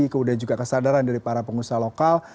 kemudian juga kesadaran dari para pengusaha lokal